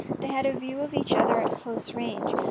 They had a view or each other at close range.